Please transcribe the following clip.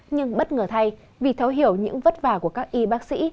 nhưng bất ngờ thay vì thấu hiểu những vất vả của các y bác sĩ